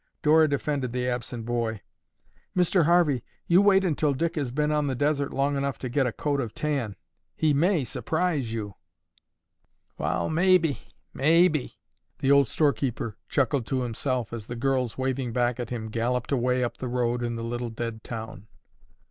Dora defended the absent boy. "Mr. Harvey, you wait until Dick has been on the desert long enough to get a coat of tan; he may surprise you." "Wall, mabbe! mabbe!" the old storekeeper chuckled to himself as the girls, waving back at him, galloped away up the road in the little dead town.